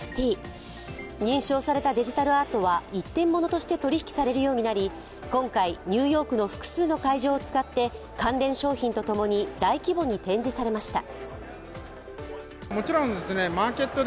認証されたデジタルアートは一点ものとして取引されるようになり今回、ニューヨークの複数の会場を使って関連商品とともに大規模に展示されました。